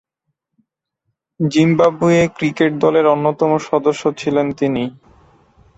Zimbabwe cricket দলের অন্যতম সদস্য ছিলেন তিনি।